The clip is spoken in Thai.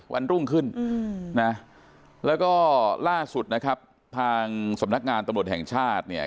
วันรุ่งขึ้นนะแล้วก็ล่าสุดนะครับทางสำนักงานตำรวจแห่งชาติเนี่ย